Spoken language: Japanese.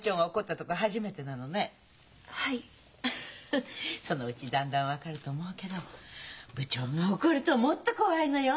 フフッそのうちだんだん分かると思うけど部長が怒るともっと怖いのよ。